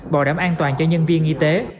bảo đảm an toàn cho nhân viên y tế